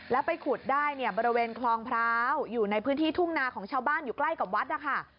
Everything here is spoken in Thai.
แล้วไปขุดได้เนี่ยบริเวณคลองพร้าวอยู่ในพื้นที่ทุ่งนาของชาวบ้านอยู่ใกล้กับวัดนะคะ